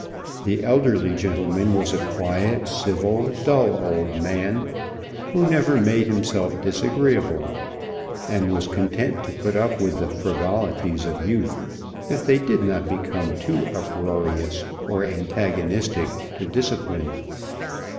The elderly gentleman was a quiet, civil, dull old man, who never made himself disagreeable, and was content to put up with the frivolities of youth, if they did not become too uproarious or antagonistic to discipline.